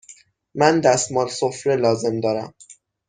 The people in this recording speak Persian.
من دستمال سفره لازم دارم.